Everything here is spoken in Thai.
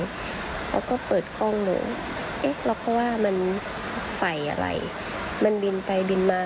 เขาก็เปิดกล้องดูเอ๊ะเราก็ว่ามันไฟอะไรมันบินไปบินมา